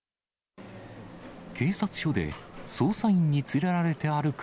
警察署で捜査員に連れられて歩く